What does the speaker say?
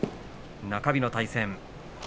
中日の対戦。